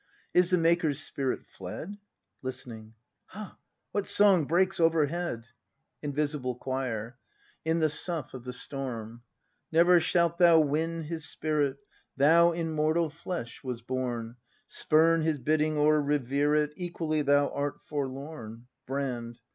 Is the Maker's spirit fled [Liste7iing .] Ha, what song breaks overhead ? Invisible Choir. [In the sough of tJie storm !\ Never shalt thou win His spirit; Thou in mortal flesh was born: Spurn his bidding or revere it; Equally thou art forlorn. Brand.